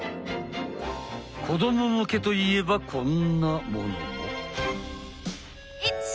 子ども向けといえばこんなものも。